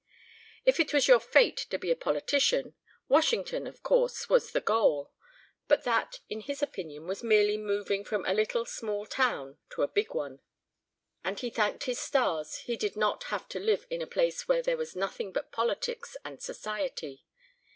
If it was your fate to be a politician, Washington, of course, was the goal, but that, in his opinion, was merely moving from a little small town to a big one, and he thanked his stars he did not have to live in a place where there was nothing but politics and society.